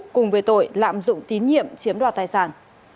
cùng về tội lạm dụng tín nhiệm chiếm đoạt tài sản